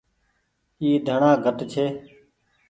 اي ڌڻآ گھٽ ڇي۔